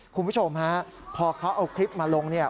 คุณผู้ชมฮะพอเขาเอาคลิปมาลงเนี่ย